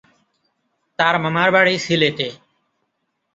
তার মামার বাড়ি সিলেটে।